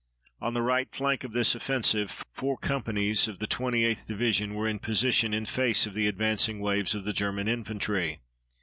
On the right flank of this offensive four companies of the 28th Division were in position in face of the advancing waves of the German infantry.